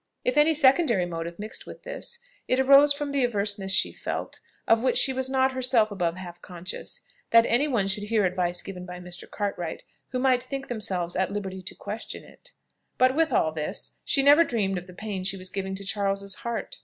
If any secondary motive mixed with this, it arose from the averseness she felt, of which she was not herself above half conscious, that any one should hear advice given by Mr. Cartwright, who might think themselves at liberty to question it; but, with all this, she never dreamed of the pain she was giving to Charles's heart.